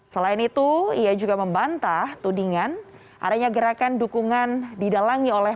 selain itu ia juga membantah tudingan adanya gerakan dukungan didalangi oleh